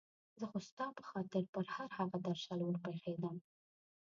زه خو ستا په خاطر پر هغه درشل ور پېښېدم.